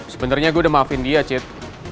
sebenernya gue udah maafin dia cet